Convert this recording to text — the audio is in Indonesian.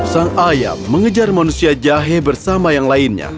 sang ayam mengejar manusia jahe bersama yang lainnya